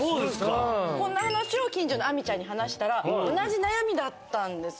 こんな話を近所の亜美ちゃんに話したら同じ悩みだったんですよ。